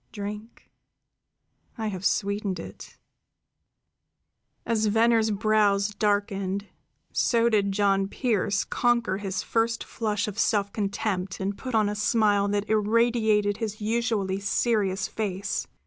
"Drink. I have sweetened it." As Venner's brows darkened, so did John Pearse conquer his first flush of self contempt and put on a smile that irradiated his usually serious face.